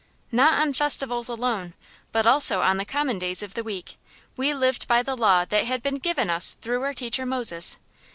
Not on festivals alone, but also on the common days of the week, we lived by the Law that had been given us through our teacher Moses.